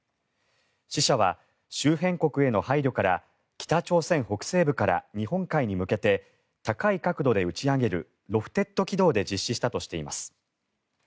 試射は周辺国への配慮から北朝鮮北西部から日本海に向けて高い角度で打ち上げるロフテッド軌道で実施したとしています。